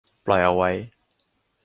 ปล่อยเอาไว้